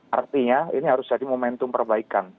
artinya ini harus jadi momentum perbaikan